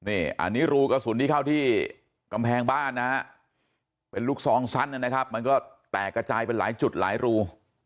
นี่อันนี้รูกระสุนที่เข้าที่กำแพงบ้านนะฮะเป็นลูกซองสั้นนะครับมันก็แตกกระจายเป็นหลายจุดหลายรู